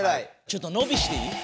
ちょっとのびしていい？